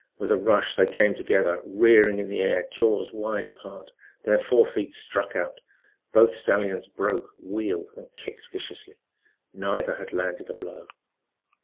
With a rush they came together, rearing in the air, jaws wide apart. Their fore feet struck out. Both stallions broke, wheeled and kicked viciously. Neither had landed a blow.